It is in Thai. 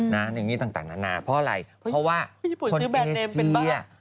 เพราะอะไรเพราะว่าคนเอเชีย